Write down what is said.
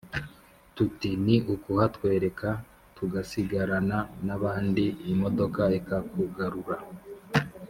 Tuti: "Ni ukuhatwereka, tugasigarana n' abandi, imodoka ikakugarura